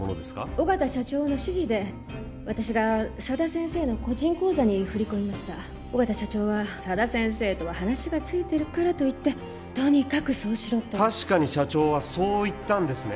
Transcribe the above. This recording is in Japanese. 緒方社長の指示で私が佐田先生の個人口座に振り込みました緒方社長は佐田先生とは話がついてるからと言ってとにかくそうしろと確かに社長はそう言ったんですね？